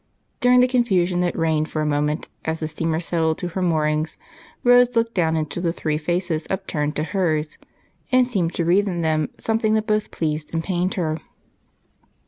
During the confusion that reigned for a moment as the steamer settled to her moorings, Rose looked down into the four faces upturned to hers and seemed to read in them something that both pleased and pained her.